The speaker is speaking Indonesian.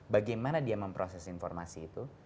bagaimana dia memproses informasi itu